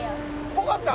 ぽかった？